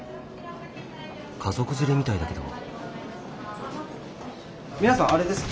家族連れみたいだけど。